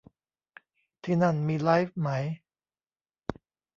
ที่นั่นมีไลฟ์ไหม